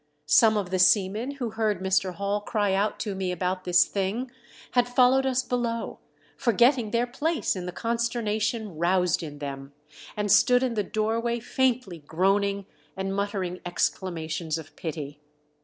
Some of the sea men who heard Mr. Hail cry out to me about this thing had followed us below, forgetting their place in the consternation roused in them, and stood in the doorway faintlv Q roanino^ and muttering exclamations of pity.